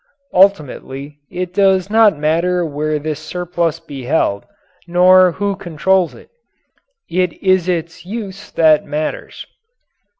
Ultimately it does not matter where this surplus be held nor who controls it; it is its use that matters.